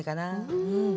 うん。